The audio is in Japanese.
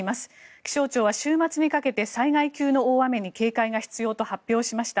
気象庁は週末にかけて災害級の大雨に警戒が必要と発表しました。